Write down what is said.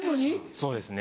そうですね。